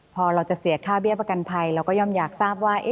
พอเราจะเสียค่าเบี้ยประกันภัยเราก็ย่อมอยากทราบว่า